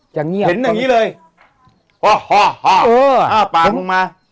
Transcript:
ย้าวอ้าปากลงมา